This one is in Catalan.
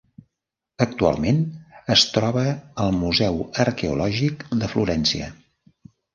Actualment es troba al Museu Arqueològic de Florència.